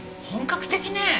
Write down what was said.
本格的ね。